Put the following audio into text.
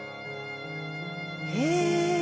へえ。